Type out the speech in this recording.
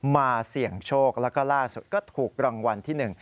เสี่ยงโชคแล้วก็ล่าสุดก็ถูกรางวัลที่หนึ่ง